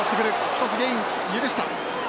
少しゲイン許した。